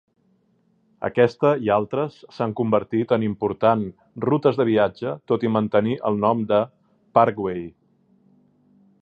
Aquesta i altres s'han convertit en important rutes de viatge tot i mantenir el nom de Parkway.